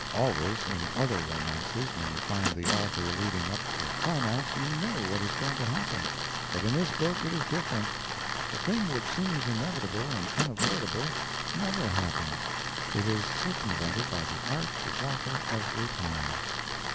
Always, in other romances, when you find the author leading up to a climax, you know what is going to happen. But in this book it is different; the thing which seems inevitable and unavoidable never happens; it is circumvented by the art of the author every time.